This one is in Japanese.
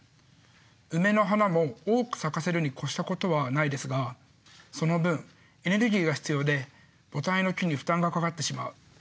ウメの花も多く咲かせるにこしたことはないですがその分エネルギーが必要で母体の木に負担がかかってしまう。